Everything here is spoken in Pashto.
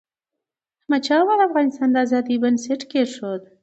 احمدشاه بابا د افغانستان د ازادی بنسټ کېښود.